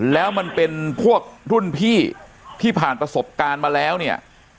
แล้วมันเป็นพวกรุ่นพี่ที่ผ่านประสบการณ์มาแล้วเนี่ย